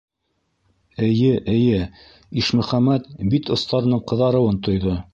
Эйе, эйе, - Ишмөхәмәт бит остарының ҡыҙарыуын тойҙо.